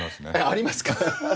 ありますか。